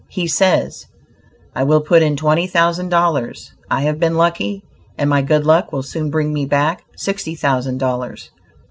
He says: "I will put in twenty thousand dollars. I have been lucky, and my good luck will soon bring me back sixty thousand dollars."